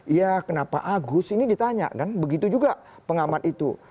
iya kenapa agus ini ditanya kan begitu juga pengamat itu